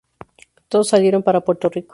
Todos salieron para Puerto Rico.